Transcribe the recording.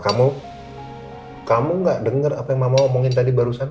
kamu kamu gak denger apa yang mama omongin tadi barusan